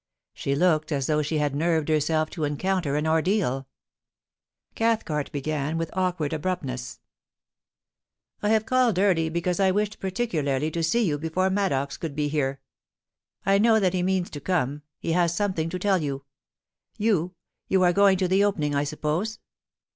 She looked as though she had nerved herself to encounter an ordeaL Cathcart began with awkward abruptness :' I have called early because I wished particularly to sec you before Maddox could be here. I know that he means to come ; he has something to tell you. You — you are going to the Opening, I suppose